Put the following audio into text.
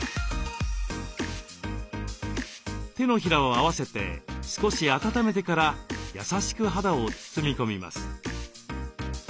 手のひらを合わせて少し温めてから優しく肌を包み込みます。